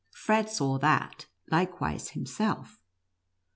Fred saw that likewise himself.